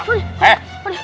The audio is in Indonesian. pak dek pak dek